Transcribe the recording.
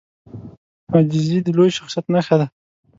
عاجزي د لوی شخصیت نښه ده.